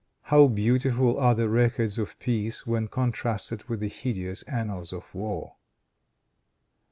How beautiful are the records of peace when contrasted with the hideous annals of war!